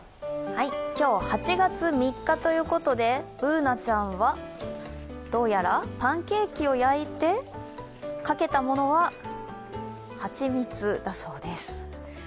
今日、８月３日ということでＢｏｏｎａちゃんはどうやらパンケーキを焼いて、かけたものは、はちみつだそうです